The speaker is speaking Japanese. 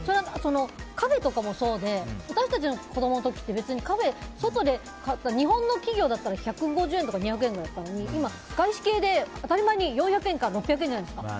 カフェとかもそうで私たちの子供の時って別にカフェって日本の企業だったら１５０円とか２００円とかだったのに外資系で当たり前に４００円から６００円じゃないですか。